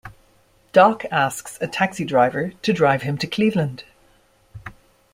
Doc asks a taxi driver to drive him to Cleveland.